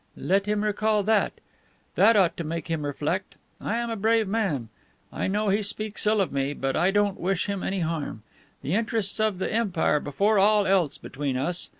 Let him recall that. That ought to make him reflect. I am a brave man. I know he speaks ill of me; but I don't wish him any harm. The interests of the Empire before all else between us!